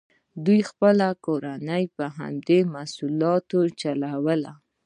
دوی خپله کورنۍ په همدې محصولاتو چلوله.